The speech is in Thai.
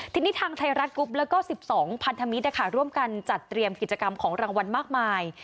ทีนี้ทางไทยรัฐกรุ๊ปแล้วก็๑๒พันธมิตรร่วมกันจัดเตรียมกิจกรรมของรางวัลมากมาย